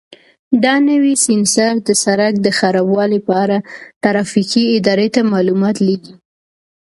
دا نوی سینسر د سړک د خرابوالي په اړه ترافیکي ادارې ته معلومات لېږي.